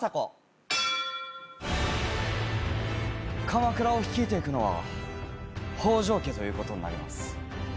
鎌倉を率いていくのは北条家ということになります。